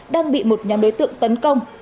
đang bị một nhóm đối tượng tấn công